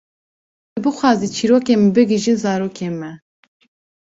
Ku tu bixwazî çêrokên me bigihîjin zarokên me.